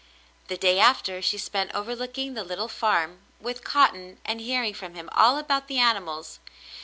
The day after, she spent overlooking the little farm with Cotton, and hearing from him all about the animals.